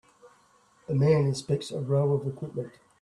A man inspects a row of equipment.